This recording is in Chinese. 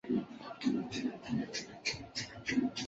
可作为食用鱼和观赏鱼。